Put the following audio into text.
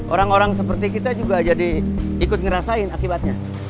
orang orang seperti kita juga jadi ikut ngerasain akibatnya